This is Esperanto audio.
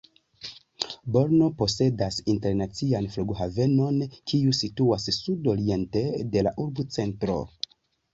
Brno posedas internacian flughavenon, kiu situas sud-oriente de la urbocentro.